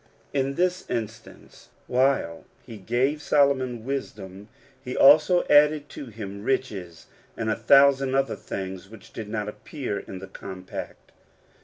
In this instance, while he gave Solomon wisdom, he also added to him riches, and a thousand other things which did not appear in the compact.